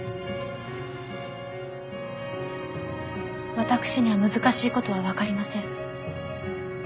私には難しいことは分かりません。